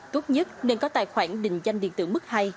tốt nhất nên có tài khoản định danh điện tử mức hai